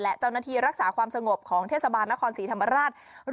และเจ้าหน้าที่รักษาความสงบของเทศบาลนครศรีธรรมราช